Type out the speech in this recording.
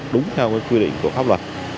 đúng theo quy định của pháp luật